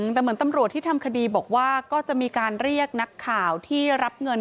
แต่เหมือนตำรวจที่ทำคดีบอกว่าก็จะมีการเรียกนักข่าวที่รับเงิน